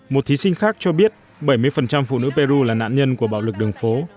một thí sinh khác cho biết bảy mươi phụ nữ peru là nạn nhân của bạo lực đường phố